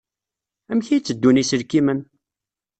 Amek ay tteddun yiselkimen?